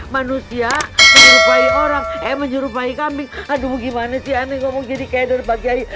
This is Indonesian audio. manusia manusia orang emang juru baik kami aduh gimana sih aneh ngomong jadi kayak dari pakai